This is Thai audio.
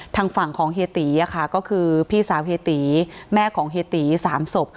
ทางฝั่งของเฮียตีก็คือพี่สาวเฮียตีแม่ของเฮียตี๓ศพ